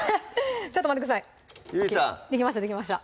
ちょっと待ってくださいゆりさんできましたできました